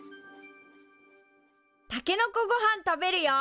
たけのこごはん食べるよ。